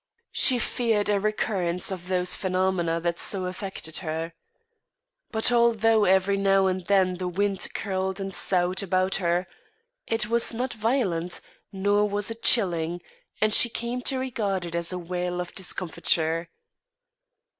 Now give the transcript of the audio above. She feared a recurrence of those phenomena that so affected her. But, although every now and then the wind curled and soughed about her, it was not violent, nor was it chilling; and she came to regard it as a wail of discomfiture.